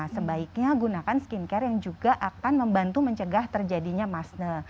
sebaiknya gunakan skincare yang juga akan membantu mencegah terjadinya masne